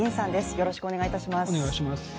よろしくお願いします。